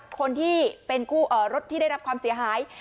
คนที่เป็นรถที่ได้รับความเสียหาย